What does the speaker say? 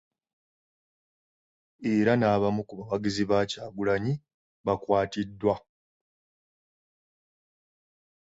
Era n'abamu ku bawagizi ba Kyagulanyi bakwatiddwa